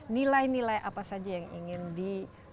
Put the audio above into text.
nilai nilai apa saja yang ingin di